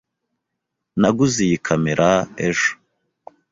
Naguze iyi kamera ejo.